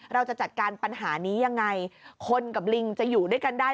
เราจะจัดการปัญหานี้ยังไงคนกับลิงจะอยู่ด้วยกันได้